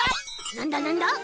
なんだなんだ？